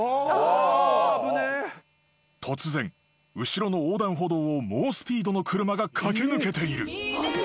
［突然後ろの横断歩道を猛スピードの車が駆け抜けている］